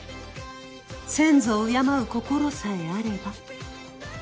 先祖を敬う心さえあれば。